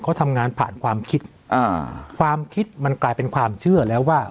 เขาทำงานผ่านความคิดอ่าความคิดมันกลายเป็นความเชื่อแล้วว่า